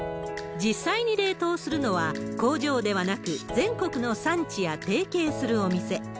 実際に冷凍するのは工場ではなく、全国の産地や提携するお店。